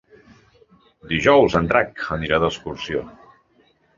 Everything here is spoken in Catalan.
Dijous en Drac anirà d'excursió.